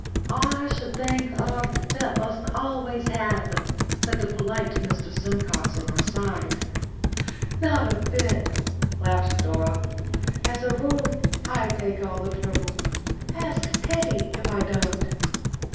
"I should think er that that must always happen," said the polite Mr Simcox on her other side. "Not a bit," laughed Dora. "As a rule, I take all the trouble. Ask Teddy if I don't."